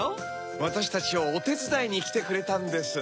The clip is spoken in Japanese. わたしたちをおてつだいにきてくれたんです。